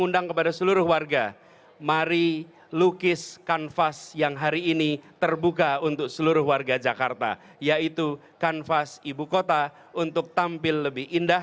dan juga itu digabungkan dengan kemajuan teknologi